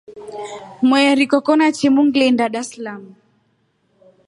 Mweri koko na chimu ngiliinda Darsalamu.